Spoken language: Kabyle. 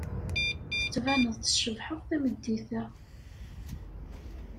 Tettbaneḍ-d tcebḥeḍ tameddit-a.